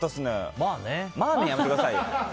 まあねはやめてくださいよ。